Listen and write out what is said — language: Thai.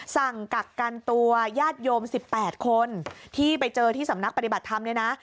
กักกันตัวญาติโยม๑๘คนที่ไปเจอที่สำนักปฏิบัติธรรมเนี่ยนะ